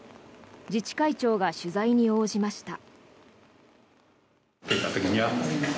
自治会長が取材に応じました。